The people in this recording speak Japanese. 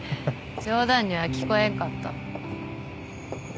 冗談には聞こえんかった。